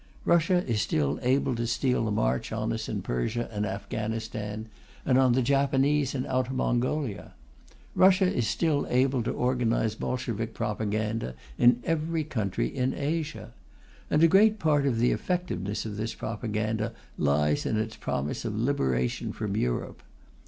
Russia is still able to steal a march on us in Persia and Afghanistan, and on the Japanese in Outer Mongolia. Russia is still able to organize Bolshevik propaganda in every country in Asia. And a great part of the effectiveness of this propaganda lies in its promise of liberation from Europe.